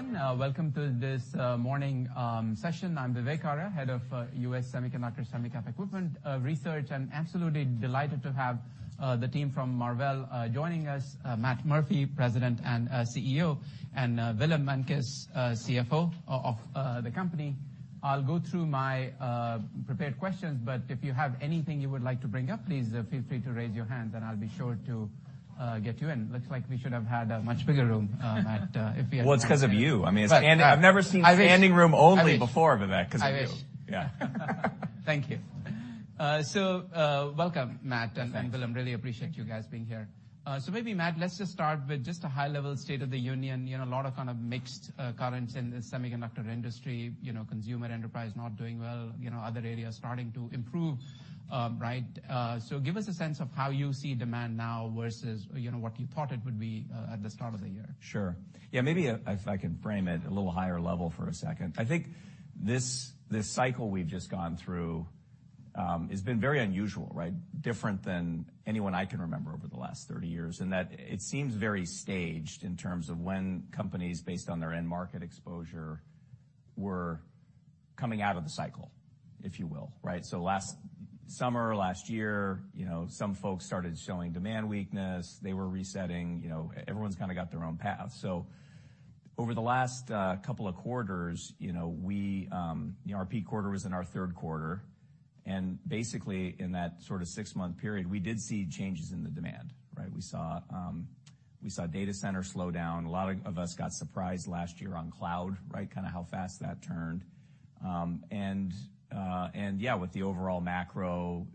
Good morning, everyone. Welcome to this morning session. I'm Vivek Arya, Head of U.S. Semiconductor Equipment of Research. I'm absolutely delighted to have the team from Marvell joining us, Matt Murphy, President and CEO, and Willem Meintjes, CFO of the company. I'll go through my prepared questions, but if you have anything you would like to bring up, please feel free to raise your hand, and I'll be sure to get to you. It looks like we should have had a much bigger room at. Well, it's 'cause of you. Right. I mean, it's. I wish. I've never seen standing room only before, Vivek. I wish. 'Cause of you. I wish. Thank you. Welcome, Matt. Willem. Really appreciate you guys being here. Maybe, Matt, let's just start with just a high level state of the union. You know, a lot of kind of mixed currents in the semiconductor industry, you know, consumer enterprise not doing well, you know, other areas starting to improve. Give us a sense of how you see demand now versus, you know, what you thought it would be at the start of the year. Sure. If I can frame it a little higher level for a second. I think this cycle we've just gone through has been very unusual, right? Different than anyone I can remember over the last 30 years, in that it seems very staged in terms of when companies, based on their end market exposure, were coming out of the cycle, if you will, right? Last summer, last year, you know, some folks started showing demand weakness. They were resetting. You know, everyone's kind of got their own path. Over the last couple of quarters, you know, we, you know, our peak quarter was in our third quarter, and basically, in that sort of 6-month period, we did see changes in the demand, right? We saw data center slow down. A lot of us got surprised last year on cloud, right, kind of how fast that turned. Yeah, with the overall macro,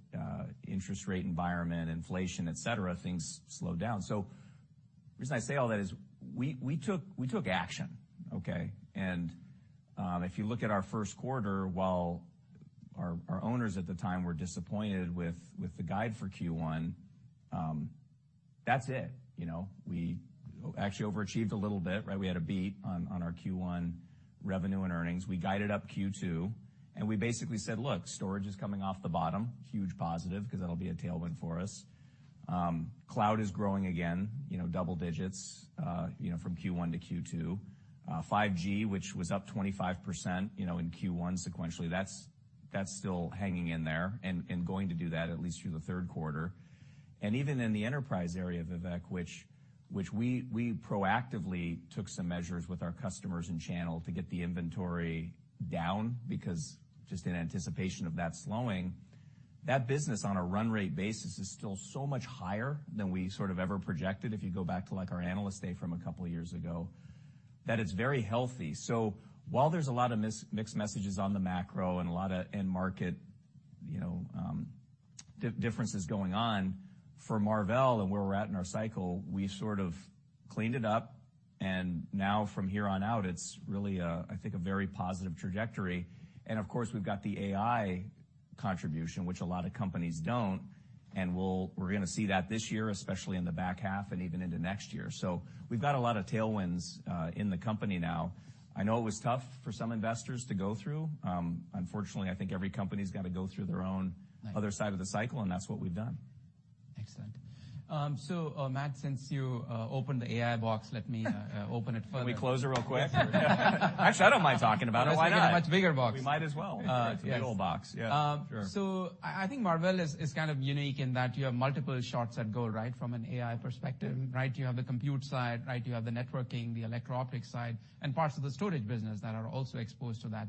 interest rate environment, inflation, et cetera, things slowed down. The reason I say all that is we took action, okay? If you look at our first quarter, while our owners at the time were disappointed with the guide for Q1, that's it. You know, we actually overachieved a little bit, right? We had a beat on our Q1 revenue and earnings. We guided up Q2. We basically said, "Look, storage is coming off the bottom." Huge positive, 'cause that'll be a tailwind for us. Cloud is growing again, you know, double digits, you know, from Q1 to Q2. 5G, which was up 25%, you know, in Q1 sequentially, that's still hanging in there and going to do that at least through the third quarter. Even in the enterprise area, Vivek, which we proactively took some measures with our customers and channel to get the inventory down, because just in anticipation of that slowing, that business on a run rate basis is still so much higher than we sort of ever projected, if you go back to, like, our Analyst Day from a couple years ago, that it's very healthy. While there's a lot of mixed messages on the macro and a lot of end market, you know, differences going on, for Marvell and where we're at in our cycle, we sort of cleaned it up, and now from here on out, it's really a, I think, a very positive trajectory. Of course, we've got the AI contribution, which a lot of companies don't. We're gonna see that this year, especially in the back half and even into next year. We've got a lot of tailwinds in the company now. I know it was tough for some investors to go through. Unfortunately, I think every company's got to go through their own. Right. other side of the cycle, and that's what we've done. Excellent. Matt, since you opened the AI box, let me open it further. Can we close it real quick? Actually, I don't mind talking about it. Why not? It's a much bigger box. We might as well. It's a big old box. Yeah, sure. I think Marvell is kind of unique in that you have multiple shots at goal, right, from an AI perspective. Right? You have the compute side, right? You have the networking, the electro-optic side, and parts of the storage business that are also exposed to that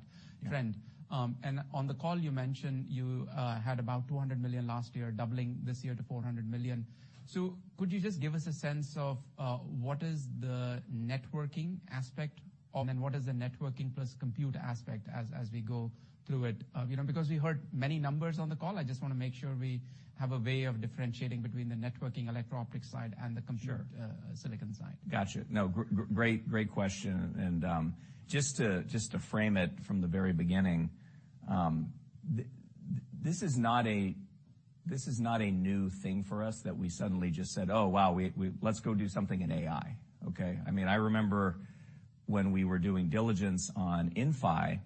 trend. Yeah. On the call, you mentioned you had about $200 million last year, doubling this year to $400 million. Could you just give us a sense of what is the networking aspect of, and what is the networking plus compute aspect as we go through it? You know, because we heard many numbers on the call, I just wanna make sure we have a way of differentiating between the networking electro optic side and the compute- Sure silicon side. Gotcha. No, great question, just to frame it from the very beginning, this is not a new thing for us, that we suddenly just said, "Oh, wow, we... Let's go do something in AI," okay? I mean, I remember when we were doing diligence on Inphi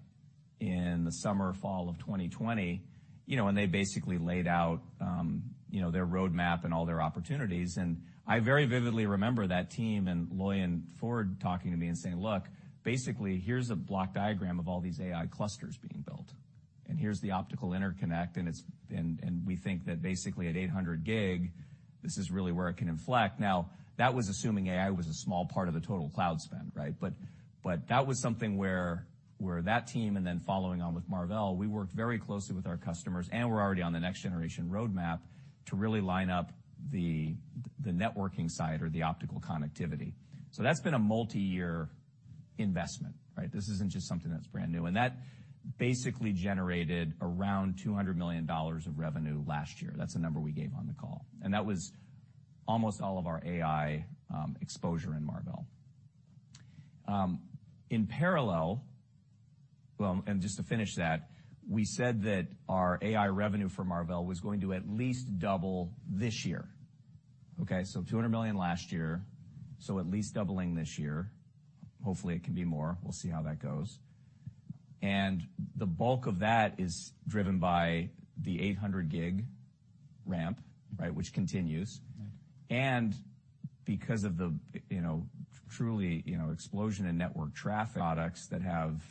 in the summer or fall of 2020, they basically laid out their roadmap and all their opportunities. I very vividly remember that team and Loi and Ford talking to me and saying, "Look, basically, here's a block diagram of all these AI clusters being built, and here's the optical interconnect, and we think that basically at 800G, this is really where it can inflect." That was assuming AI was a small part of the total cloud spend, right? That was something where that team, and then following on with Marvell, we worked very closely with our customers, and we're already on the next generation roadmap to really line up the networking side or the optical connectivity. That's been a multiyear investment, right? This isn't just something that's brand-new. That basically generated around $200 million of revenue last year. That's the number we gave on the call. That was almost all of our AI exposure in Marvell. In parallel... Well, just to finish that, we said that our AI revenue for Marvell was going to at least double this year, okay? $200 million last year, so at least doubling this year. Hopefully, it can be more. We'll see how that goes. The bulk of that is driven by the 800G ramp, right, which continues. Right. because of the, you know, truly, you know, explosion in network traffic products that have,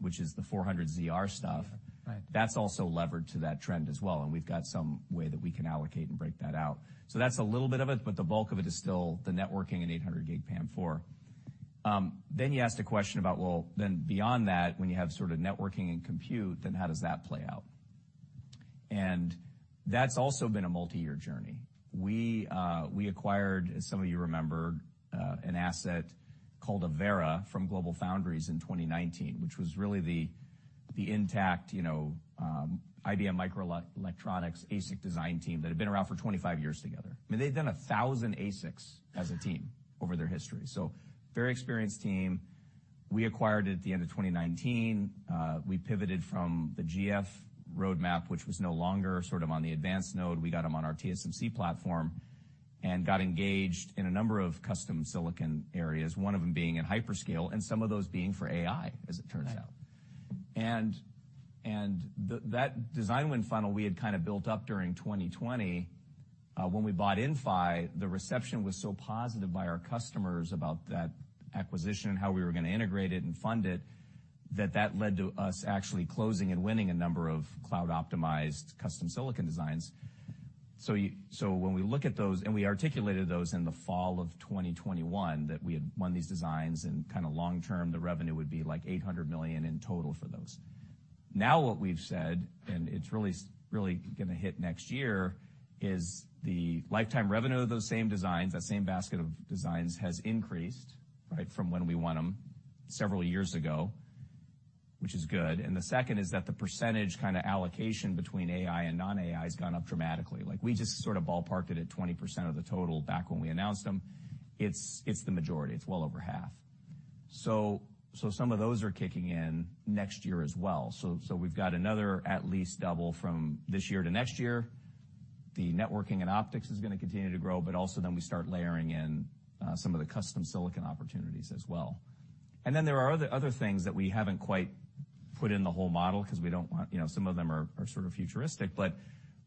which is the 400ZR stuff. Right. that's also levered to that trend as well, and we've got some way that we can allocate and break that out. That's a little bit of it, but the bulk of it is still the networking and 800G PAM4. You asked a question about, well, then beyond that, when you have sort of networking and compute, then how does that play out? That's also been a multi-year journey. We acquired, as some of you remember, an asset called Avera from GlobalFoundries in 2019, which was really the intact, you know, IBM microelectronics ASIC design team that had been around for 25 years together. I mean, they've done 1,000 ASICs as a team over their history, so very experienced team. We acquired it at the end of 2019. We pivoted from the GF roadmap, which was no longer sort of on the advanced node. We got them on our TSMC platform and got engaged in a number of custom silicon areas, one of them being in hyperscale, and some of those being for AI, as it turns out. Right. That design win funnel we had kind of built up during 2020, when we bought Inphi, the reception was so positive by our customers about that acquisition and how we were going to integrate it and fund it, that that led to us actually closing and winning a number of cloud-optimized custom silicon designs. When we look at those, and we articulated those in the fall of 2021, that we had won these designs, and kind of long term, the revenue would be like $800 million in total for those. What we've said, and it's really, really gonna hit next year, is the lifetime revenue of those same designs, that same basket of designs, has increased, right, from when we won them several years ago, which is good. The second is that the percentage kind of allocation between AI and non-AI has gone up dramatically. Like, we just sort of ballparked it at 20% of the total back when we announced them. It's the majority. It's well over half. Some of those are kicking in next year as well. We've got another at least double from this year to next year. The networking and optics is gonna continue to grow, but also then we start layering in some of the custom silicon opportunities as well. There are other things that we haven't quite put in the whole model because we don't want, you know, some of them are sort of futuristic, but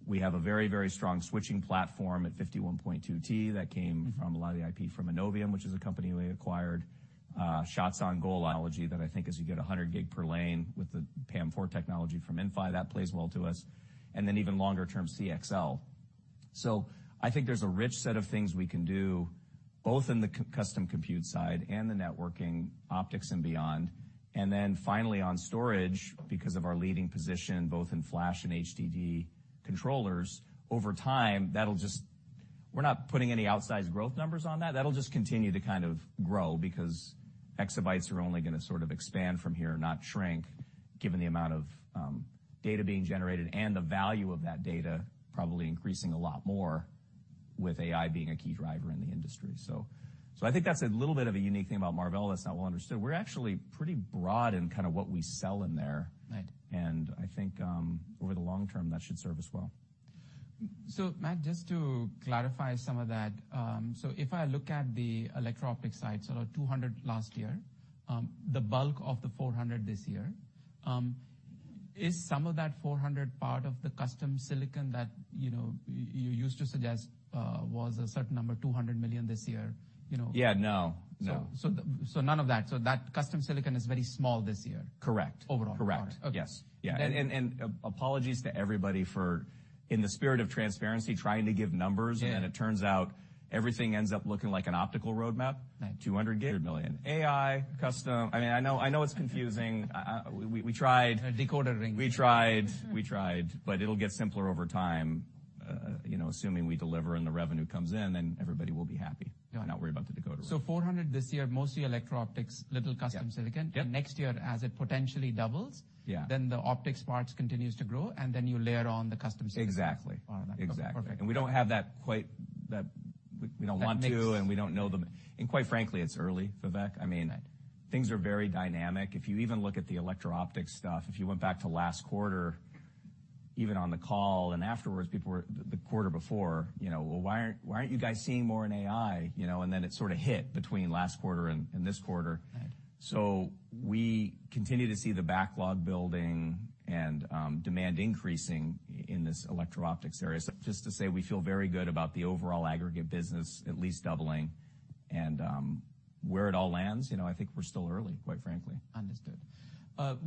we have a very, very strong switching platform at 51.2T that came from a lot of the IP from Innovium, which is a company we acquired. Shots on goal analogy that I think as you get a 100G per lane with the PAM4 technology from Inphi, that plays well to us, and then even longer-term CXL. I think there's a rich set of things we can do, both in the custom compute side and the networking, optics, and beyond. Finally, on storage, because of our leading position, both in flash and HDD controllers, over time. We're not putting any outsized growth numbers on that. That'll just continue to kind of grow, because exabytes are only gonna sort of expand from here, not shrink, given the amount of data being generated and the value of that data probably increasing a lot more with AI being a key driver in the industry. I think that's a little bit of a unique thing about Marvell that's not well understood. We're actually pretty broad in kind of what we sell in there. Right. I think, over the long term, that should serve us well. Matt, just to clarify some of that, if I look at the electro-optic side, so $200 million last year, the bulk of the $400 million this year, is some of that $400 million part of the custom silicon that, you know, you used to suggest, was a certain number, $200 million this year? You know- Yeah, no. None of that. That custom silicon is very small this year. Correct. Overall. Correct. Okay. Yes. Yeah. Then- Apologies to everybody for, in the spirit of transparency, trying to give numbers. Yeah. It turns out everything ends up looking like an optical roadmap. Right. $200 million. AI, custom... I mean, I know it's confusing. We tried. Decoding. We tried, but it'll get simpler over time, you know, assuming we deliver and the revenue comes in, then everybody will be happy. Got it. Not worried about the decoder. 400 this year, mostly electro optics, little custom silicon. Yeah. Yep. next year, as it potentially doubles- Yeah. The optics parts continues to grow, and then you layer on the custom silicon. Exactly. All right. Exactly. Perfect. We don't have that quite. That makes- We don't want to, we don't know the. Quite frankly, it's early, Vivek. I mean. Right things are very dynamic. If you even look at the electro optics stuff, if you went back to last quarter, even on the call and afterwards, people were, the quarter before, you know, "Well, why aren't you guys seeing more in AI?" You know, and then it sort of hit between last quarter and this quarter. Right. We continue to see the backlog building and demand increasing in this electro optics area. Just to say, we feel very good about the overall aggregate business, at least doubling, and where it all lands, you know, I think we're still early, quite frankly. Understood.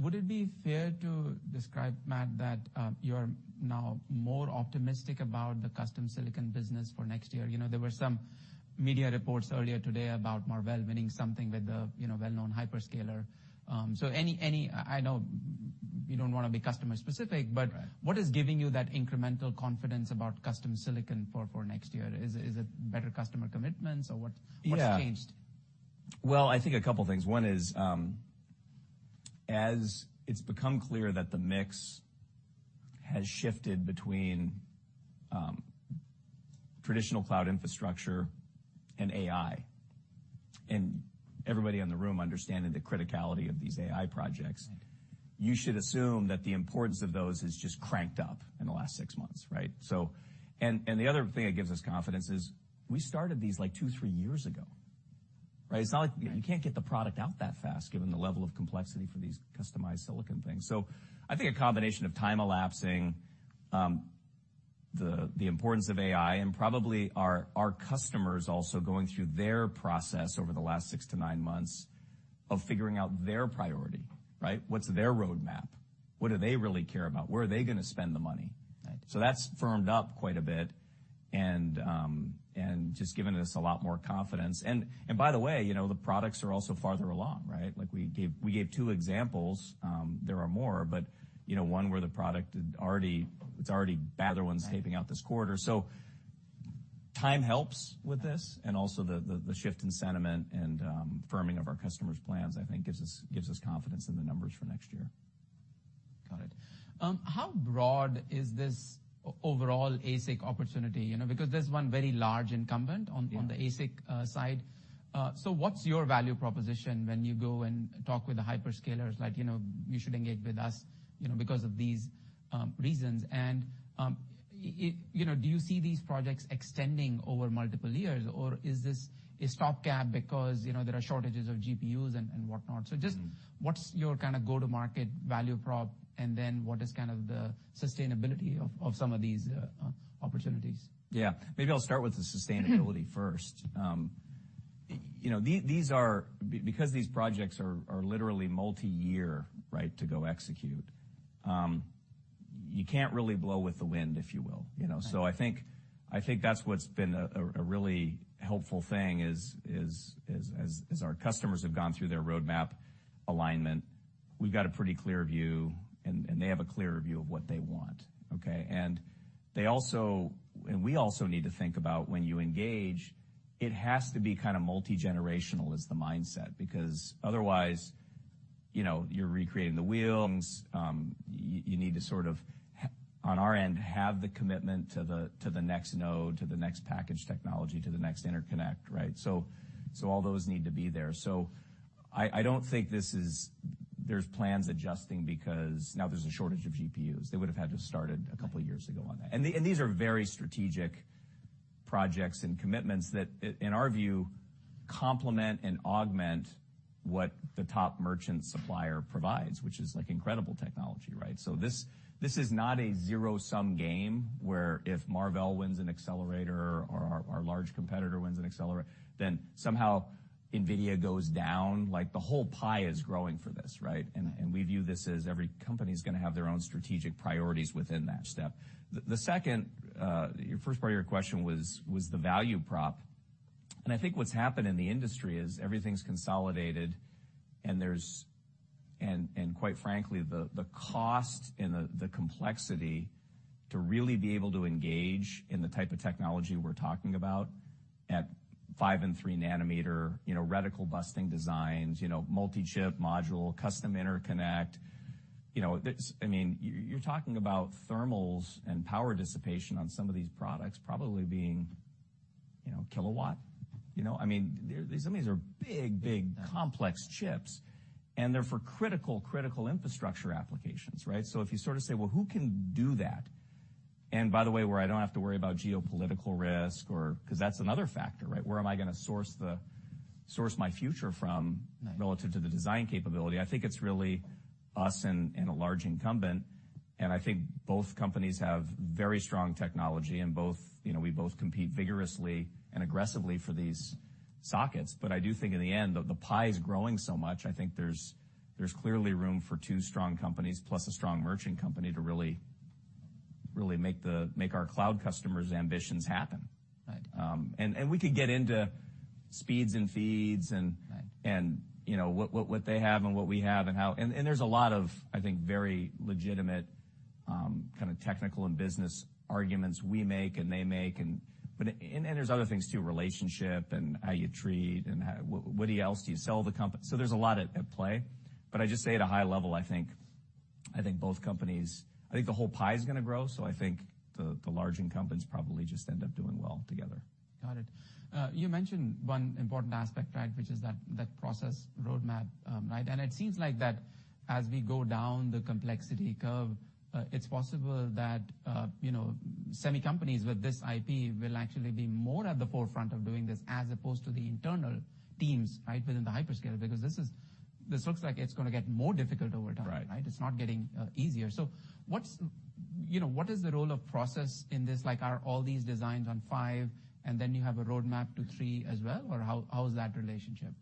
Would it be fair to describe, Matt, that you're now more optimistic about the custom silicon business for next year? You know, there were some media reports earlier today about Marvell winning something with a, you know, well-known hyperscaler. Any... I know you don't want to be customer-specific- Right What is giving you that incremental confidence about custom silicon for next year? Is it better customer commitments, or what? Yeah. What's changed? I think a couple things. One is, as it's become clear that the mix has shifted between traditional cloud infrastructure and AI, and everybody in the room understanding the criticality of these AI projects. Right you should assume that the importance of those has just cranked up in the last six months, right? The other thing that gives us confidence is we started these, like, two, three years ago, right? It's not like you can't get the product out that fast, given the level of complexity for these customized silicon things. I think a combination of time elapsing, the importance of AI, and probably our customers also going through their process over the last six to nine months of figuring out their priority, right? What's their roadmap? What do they really care about? Where are they gonna spend the money? Right. That's firmed up quite a bit, and just given us a lot more confidence. By the way, you know, the products are also farther along, right? Like, we gave two examples, there are more, but, you know, one where the product is already bad, the other one's taping out this quarter. Time helps with this, and also the shift in sentiment and firming of our customers' plans, I think gives us confidence in the numbers for next year. Got it. How broad is this overall ASIC opportunity? You know, because there's one very large incumbent. Yeah on the ASIC side. What's your value proposition when you go and talk with the hyperscalers, like, you know, you should engage with us, you know, because of these reasons. You know, do you see these projects extending over multiple years, or is this a stopgap because, you know, there are shortages of GPUs and whatnot? Mm. Just what's your kind of go-to-market value prop, and then what is kind of the sustainability of some of these opportunities? Yeah. Maybe I'll start with the sustainability- Mm first. You know, because these projects are literally multiyear, right, to go execute, you can't really blow with the wind, if you will, you know. Right. I think that's what's been a really helpful thing is, as our customers have gone through their roadmap alignment, we've got a pretty clear view, and they have a clearer view of what they want, okay? We also need to think about when you engage, it has to be kind of multigenerational as the mindset, because otherwise, you know, you're recreating the wheels. You need to sort of on our end, have the commitment to the next node, to the next package technology, to the next interconnect, right? All those need to be there. I don't think this is there's plans adjusting because now there's a shortage of GPUs. They would've had to have started a couple years ago on that. These are very strategic projects and commitments that, in our view, complement and augment what the top merchant supplier provides, which is, like, incredible technology, right? This is not a zero-sum game, where if Marvell wins an accelerator or our large competitor wins an accelerator, then somehow NVIDIA goes down. Like, the whole pie is growing for this, right? We view this as every company's gonna have their own strategic priorities within that step. The second. Your first part of your question was the value prop. I think what's happened in the industry is everything's consolidated, and there's, and quite frankly, the cost and the complexity to really be able to engage in the type of technology we're talking about at 5 and 3 nanometer, you know, reticle busting designs, you know, multi-chip module, custom interconnect. You know, this, I mean, you're talking about thermals and power dissipation on some of these products, probably being, you know, kilowatt. You know, I mean, some of these are big, complex chips, and they're for critical infrastructure applications, right? If you sort of say, "Well, who can do that?" By the way, where I don't have to worry about geopolitical risk or, 'cause that's another factor, right? Where am I gonna source my future from. Right relative to the design capability. I think it's really us and a large incumbent, I think both companies have very strong technology. Both you know, we both compete vigorously and aggressively for these sockets. I do think in the end, the pie is growing so much, I think there's clearly room for two strong companies, plus a strong merchant company, to really make our cloud customers' ambitions happen. Right. We could get into speeds and feeds. Right and, you know, what they have and what we have and how. There's a lot of, I think, very legitimate, kind of technical and business arguments we make and they make. There's other things, too, relationship and how you treat and what else do you sell the company? There's a lot at play, but I just say at a high level, I think, both companies. I think the whole pie is gonna grow. I think the large incumbents probably just end up doing well together. Got it. You mentioned one important aspect, right, which is that process roadmap, right? It seems like that as we go down the complexity curve, it's possible that, you know, semi companies with this IP will actually be more at the forefront of doing this, as opposed to the internal teams, right, within the hyperscaler. Because this looks like it's gonna get more difficult over time. Right. Right? It's not getting, easier. You know, what is the role of process in this? Like, are all these designs on 5, and then you have a roadmap to 3 as well, or how is that relationship?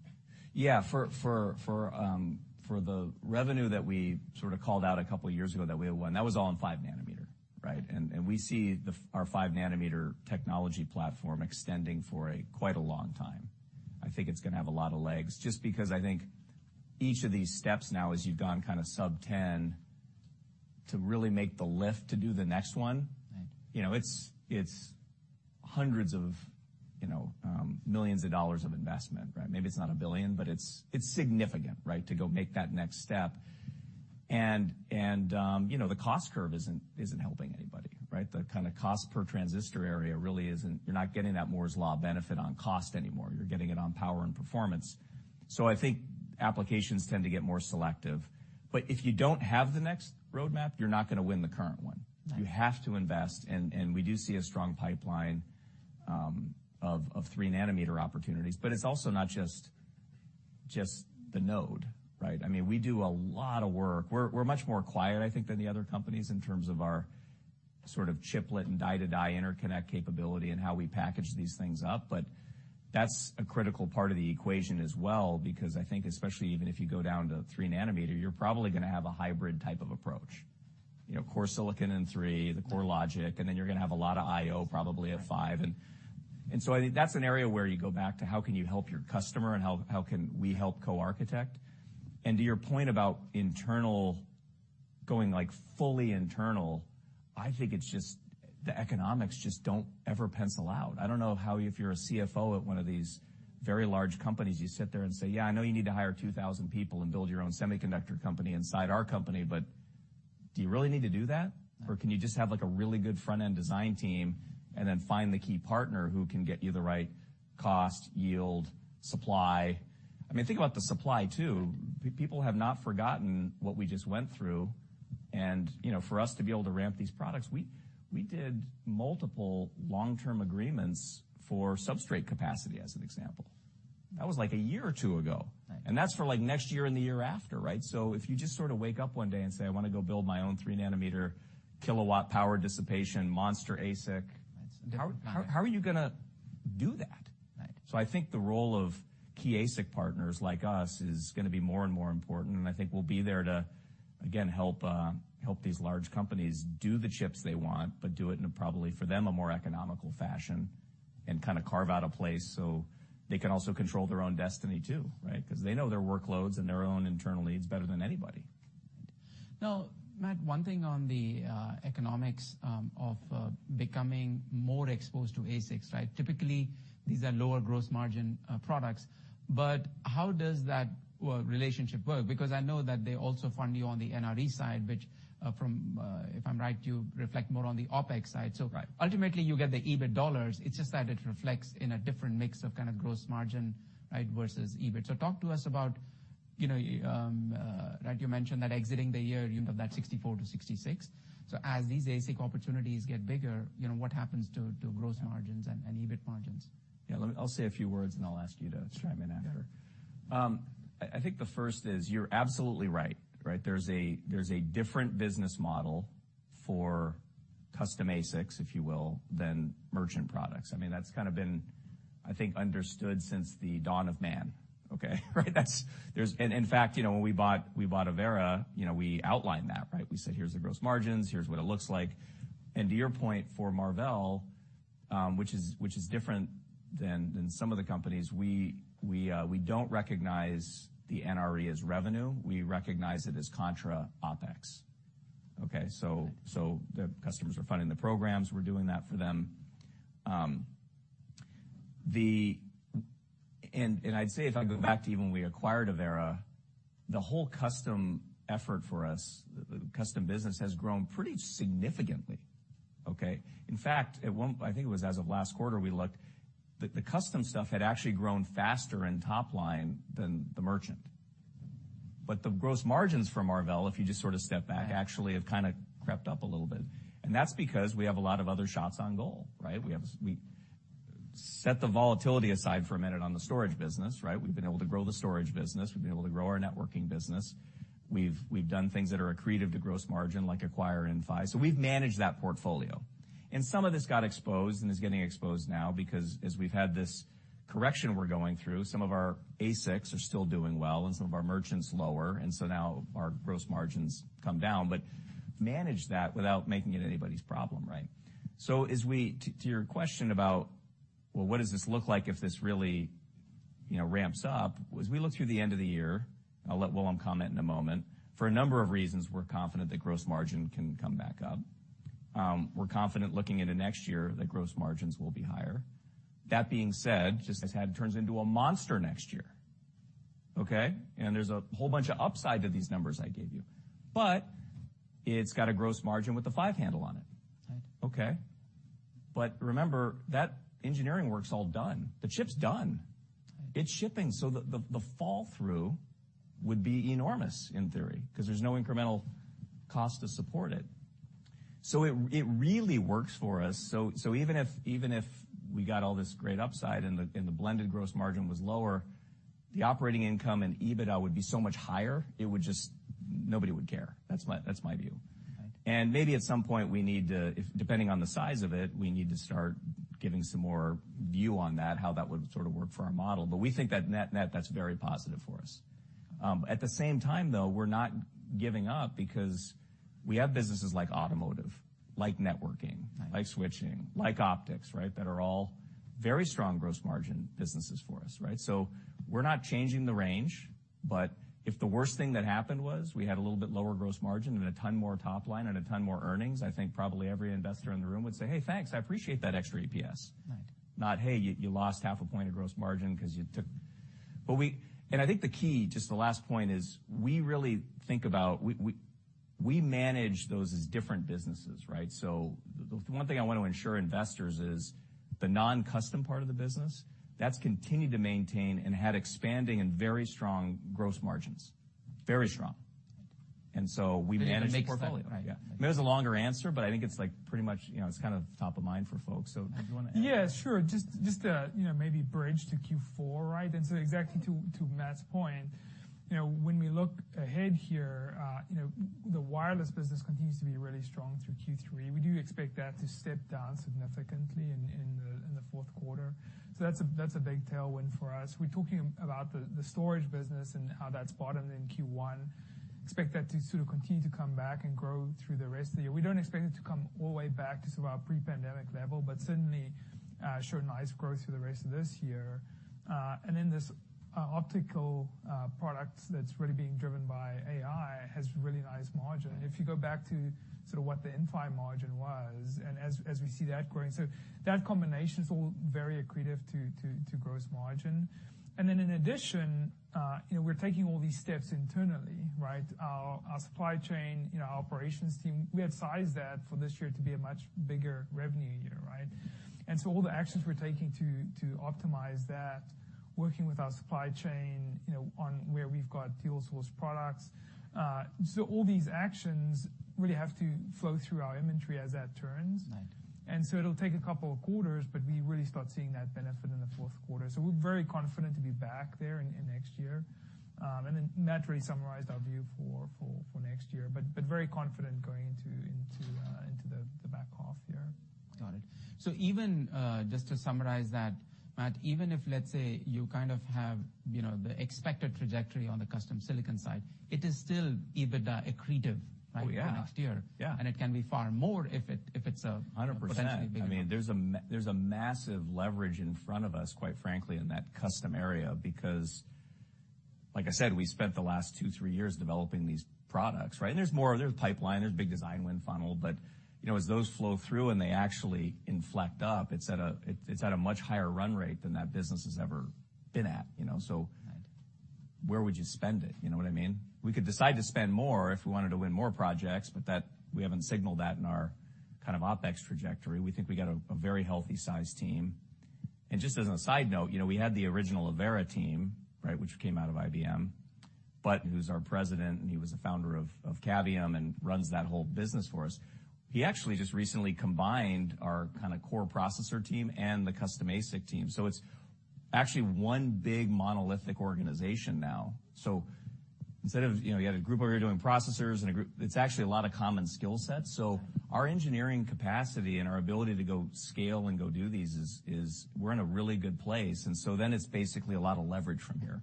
Yeah. For the revenue that we sort of called out a couple of years ago that we had won, that was all on 5 nanometer, right? We see our 5 nanometer technology platform extending for a quite a long time. I think it's gonna have a lot of legs, just because I think each of these steps now, as you've gone kind of sub-10, to really make the lift to do the next one- Right you know, it's hundreds of, you know, millions of dollars of investment, right? Maybe it's not a billion, but it's significant, right, to go make that next step. you know, the cost curve isn't helping anybody, right? The kind of cost per transistor area really isn't. You're not getting that Moore's Law benefit on cost anymore. You're getting it on power and performance. I think applications tend to get more selective. If you don't have the next roadmap, you're not gonna win the current one. Right. You have to invest, and we do see a strong pipeline of 3 nanometer opportunities. It's also not just the node, right? I mean, we do a lot of work. We're much more quiet, I think, than the other companies in terms of our sort of chiplet and die-to-die interconnect capability and how we package these things up. That's a critical part of the equation as well, because I think especially even if you go down to 3 nanometer, you're probably gonna have a hybrid type of approach. You know, core silicon in 3, the core logic, and then you're gonna have a lot of IO, probably at 5. I think that's an area where you go back to how can you help your customer and how can we help co-architect? To your point about internal, like, fully internal, I think it's just the economics just don't ever pencil out. I don't know how, if you're a CFO at one of these very large companies, you sit there and say, "Yeah, I know you need to hire 2,000 people and build your own semiconductor company inside our company." Do you really need to do that? Right. Can you just have, like, a really good front-end design team and then find the key partner who can get you the right cost, yield, supply? I mean, think about the supply, too. People have not forgotten what we just went through. You know, for us to be able to ramp these products, we did multiple long-term agreements for substrate capacity, as an example. That was, like, a year or two ago. Right. That's for, like, next year and the year after, right? If you just sort of wake up one day and say, "I wanna go build my own 3-nanometer kilowatt power dissipation monster ASIC. Right. How are you gonna do that? Right. I think the role of key ASIC partners like us is gonna be more and more important, and I think we'll be there to, again, help these large companies do the chips they want, but do it in a probably, for them, a more economical fashion and kind of carve out a place so they can also control their own destiny, too, right? 'Cause they know their workloads and their own internal needs better than anybody. Matt, one thing on the economics of becoming more exposed to ASICs, right? Typically, these are lower gross margin products. How does that, well, relationship work? I know that they also fund you on the NRE side, which, from, if I'm right, you reflect more on the OpEx side. Right. Ultimately, you get the EBIT dollars. It's just that it reflects in a different mix of kind of gross margin, right, versus EBIT. Talk to us about, you know, like, you mentioned that exiting the year, you know, that 64%-66%. As these ASIC opportunities get bigger, you know, what happens to gross margins and EBIT margins? Yeah, I'll say a few words, and I'll ask you to chime in after. Yeah. I think the first is, you're absolutely right. There's a different business model for custom ASICs, if you will, than merchant products. I mean, that's kind of been, I think, understood since the dawn of man, okay? Right. That's, there's. In fact, you know, when we bought Avera, you know, we outlined that, right. We said, "Here's the gross margins. Here's what it looks like." To your point for Marvell, which is different than some of the companies, we don't recognize the NRE as revenue. We recognize it as contra OpEx, okay. The customers are funding the programs. We're doing that for them. I'd say if I go back to even when we acquired Avera, the whole custom effort for us, the custom business, has grown pretty significantly, okay? In fact, I think it was as of last quarter, we looked, the custom stuff had actually grown faster in top line than the merchant. The gross margins for Marvell, if you just sort of step back- Right actually have kind of crept up a little bit, and that's because we have a lot of other shots on goal, right? We have. Set the volatility aside for a minute on the storage business, right? We've been able to grow the storage business. We've been able to grow our networking business. We've done things that are accretive to gross margin, like acquire Inphi. We've managed that portfolio. Some of this got exposed and is getting exposed now because as we've had this correction we're going through, some of our ASICs are still doing well and some of our merchants lower, and so now our gross margins come down. Manage that without making it anybody's problem, right? As to your question about, well, what does this look like if this really, you know, ramps up, as we look through the end of the year, I'll let Willem comment in a moment, for a number of reasons, we're confident that gross margin can come back up. We're confident, looking into next year, that gross margins will be higher. That being said, just as had turns into a monster next year, okay? There's a whole bunch of upside to these numbers I gave you. It's got a gross margin with a five handle on it. Right. Okay? Remember, that engineering work's all done. The chip's done. Right. It's shipping, the fall through would be enormous in theory, 'cause there's no incremental cost to support it. It really works for us. Even if we got all this great upside and the blended gross margin was lower, the operating income and EBITDA would be so much higher, it would just nobody would care. That's my view. Right. Maybe at some point, we need to, if, depending on the size of it, we need to start giving some more view on that, how that would sort of work for our model. We think that net-net, that's very positive for us. At the same time, though, we're not giving up because we have businesses like automotive, like networking... Right. like switching, like optics, right, that are all very strong gross margin businesses for us, right? We're not changing the range, but if the worst thing that happened was we had a little bit lower gross margin and a ton more top line and a ton more earnings, I think probably every investor in the room would say, "Hey, thanks, I appreciate that extra EPS. Right. Not, "Hey, you lost half a point of gross margin." I think the key, just the last point is, we really think about, we manage those as different businesses, right? The one thing I want to ensure investors is the non-custom part of the business, that's continued to maintain and had expanding and very strong gross margins. Very strong. We manage the portfolio. Right. Yeah. There's a longer answer, but I think it's, like, pretty much, you know, it's kind of top of mind for folks. Did you want to add? Yeah, sure. Just to, you know, maybe bridge to Q4, right? Exactly to Matt's point, you know, when we look ahead here, you know, the wireless business continues to be really strong through Q3. We do expect that to step down significantly in the fourth quarter. That's a big tailwind for us. We're talking about the storage business and how that's bottomed in Q1. Expect that to sort of continue to come back and grow through the rest of the year. We don't expect it to come all the way back to sort of our pre-pandemic level, but certainly, show nice growth through the rest of this year. This optical product that's really being driven by AI has really nice margin. If you go back to sort of what the Inphi margin was, and as we see that growing. That combination is all very accretive to gross margin. In addition, you know, we're taking all these steps internally, right? Our supply chain, you know, our operations team, we have sized that for this year to be a much bigger revenue year, right? All the actions we're taking to optimize that, working with our supply chain, you know, on where we've got dual source products, all these actions really have to flow through our inventory as that turns. Right. It'll take a couple of quarters, but we really start seeing that benefit in the fourth quarter. We're very confident to be back there in next year. Matt really summarized our view for next year, but very confident going into the back half here. Got it. Even, just to summarize that, Matt, even if, let's say, you kind of have, you know, the expected trajectory on the custom silicon side, it is still EBITDA accretive, right? Oh, yeah. for next year? Yeah. It can be far more if it's. 100%. Potentially big one. I mean, there's a massive leverage in front of us, quite frankly, in that custom area, because like I said, we spent the last 2, 3 years developing these products, right. There's more, there's pipeline, there's big design win funnel. You know, as those flow through and they actually inflect up, it's at a, it's at a much higher run rate than that business has ever been at, you know. Right. Where would you spend it? You know what I mean? We could decide to spend more if we wanted to win more projects, but that, we haven't signaled that in our kind of OpEx trajectory. We think we got a very healthy size team. Just as a side note, you know, we had the original Avera team, right, which came out of IBM, but who's our president, and he was the founder of Cavium and runs that whole business for us. He actually just recently combined our kind of core processor team and the custom ASIC team. It's actually one big monolithic organization now. Instead of, you know, you had a group over here doing processors and a group. It's actually a lot of common skill sets. Our engineering capacity and our ability to go scale and go do these is we're in a really good place, and so then it's basically a lot of leverage from here.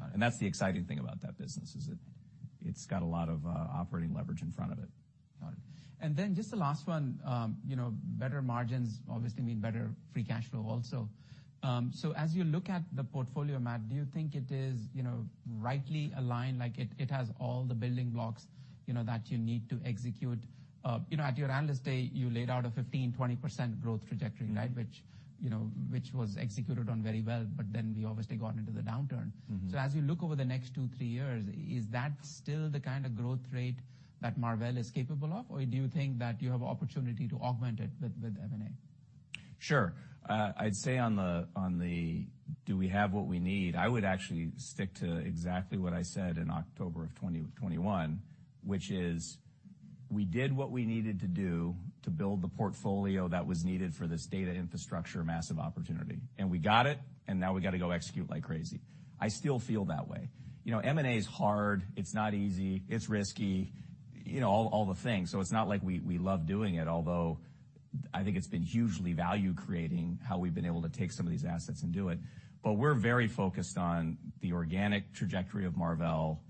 Got it. That's the exciting thing about that business, is it's got a lot of operating leverage in front of it. Got it. Just the last one, you know, better margins obviously mean better free cash flow also. As you look at the portfolio, Matt, do you think it is, you know, rightly aligned, like it has all the building blocks, you know, that you need to execute? You know, at your Analyst Day, you laid out a 15%-20% growth trajectory, right? Mm-hmm. Which, you know, which was executed on very well, but then we obviously got into the downturn. Mm-hmm. As you look over the next 2, 3 years, is that still the kind of growth rate that Marvell is capable of? Or do you think that you have opportunity to augment it with M&A? Sure. I'd say on the do we have what we need, I would actually stick to exactly what I said in October 2021, which is: we did what we needed to do to build the portfolio that was needed for this data infrastructure massive opportunity. We got it. Now we gotta go execute like crazy. I still feel that way. You know, M&A is hard. It's not easy, it's risky, you know, all the things. It's not like we love doing it, although I think it's been hugely value-creating, how we've been able to take some of these assets and do it. We're very focused on the organic trajectory of Marvell.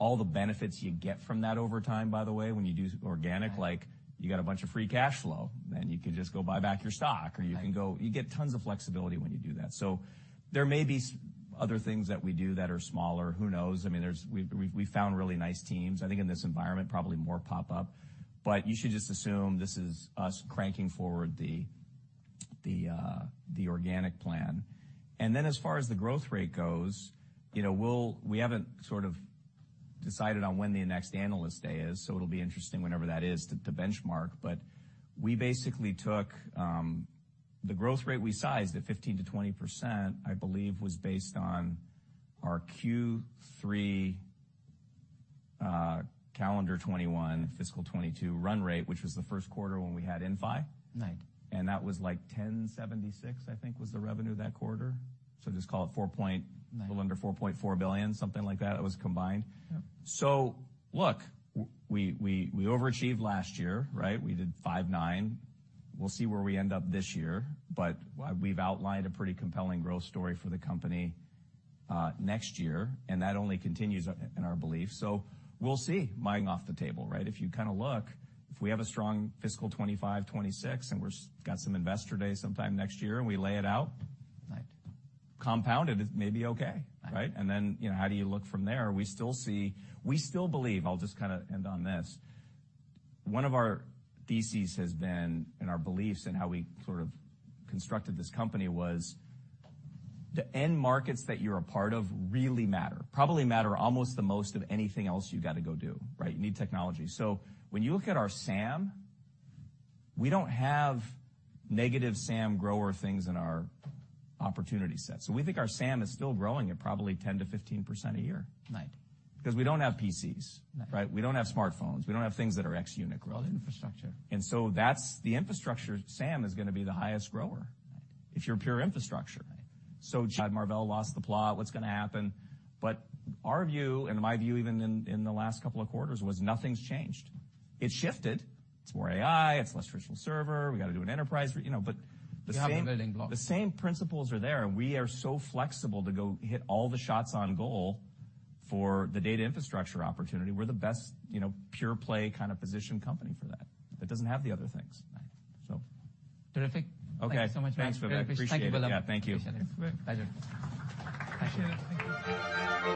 All the benefits you get from that over time, by the way, when you do organic. Right... like, you got a bunch of free cash flow, and you can just go buy back your stock, or you can go- Right. You get tons of flexibility when you do that. There may be other things that we do that are smaller. Who knows? I mean, there's, we've found really nice teams. I think in this environment, probably more pop up. You should just assume this is us cranking forward the organic plan. As far as the growth rate goes, you know, we haven't sort of decided on when the next analyst day is, so it'll be interesting, whenever that is, to benchmark. We basically took. The growth rate we sized at 15%-20%, I believe, was based on our Q3, calendar 21, fiscal 22 run rate, which was the first quarter when we had Inphi. Right. That was, like, $1,076, I think, was the revenue that quarter. Just call it 4 point- Right. Little under $4.4 billion, something like that. It was combined. Yep. Look, we overachieved last year, right? We did five nine. We'll see where we end up this year. Right... we've outlined a pretty compelling growth story for the company, next year, and that only continues, in our belief. We'll see, May off the table, right? If you kind of look, if we have a strong fiscal 25, 26, and we've got some investor day sometime next year, and we lay it out- Right. compounded, it may be okay, right? Right. You know, how do you look from there? We still believe, I'll just kind of end on this, one of our theses has been, and our beliefs in how we sort of constructed this company, was the end markets that you're a part of really matter. Probably matter almost the most of anything else you gotta go do, right? You need technology. When you look at our SAM, we don't have negative SAM grower things in our opportunity set. We think our SAM is still growing at probably 10%-15% a year. Right. 'Cause we don't have PCs. Right. Right? We don't have smartphones. We don't have things that are X unit growth. All infrastructure. That's the infrastructure. SAM is going to be the highest grower. Right. if you're pure infrastructure. Right. Marvell lost the plot. What's gonna happen? Our view, and my view, even in the last couple of quarters, was nothing's changed. It shifted. It's more AI, it's less traditional server. We gotta do an enterprise, you know, but the same- You have the building blocks. The same principles are there. We are so flexible to go hit all the shots on goal for the data infrastructure opportunity. We're the best, you know, pure play kind of position company for that doesn't have the other things. Right. So. Terrific. Okay. Thank you so much, Matt. Thanks, Vivek. Really appreciate it. Appreciate it. Thank you, Willem. Yeah, thank you. Appreciate it. Pleasure. Thank you. Thank you.